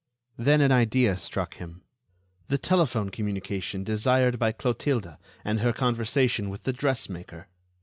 Then an idea struck him: the telephone communication desired by Clotilde and her conversation with the dressmaker.